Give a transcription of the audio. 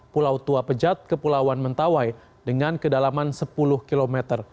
pulau tua pejat kepulauan mentawai dengan kedalaman sepuluh km